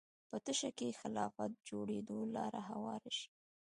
په تشه کې خلافت جوړېدو لاره هواره شي